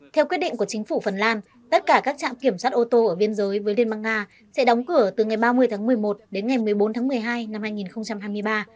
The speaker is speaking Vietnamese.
theo quyết định của chính phủ phần lan tất cả các trạm kiểm soát ô tô ở biên giới với liên bang nga sẽ đóng cửa từ ngày ba mươi tháng một mươi một đến ngày một mươi bốn tháng một mươi hai năm hai nghìn hai mươi ba